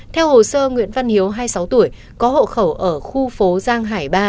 theo hồ sơ nguyễn văn hiếu hai mươi sáu tuổi có hộ khẩu ở khu phố giang hải ba